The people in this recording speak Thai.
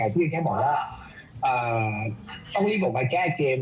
เพียงแค่บอกแล้วต้องรีบออกมาแก้เกม